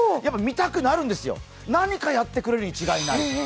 見たくなるんですよ、何かやってくれるに違いない。